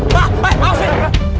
pak eh maafin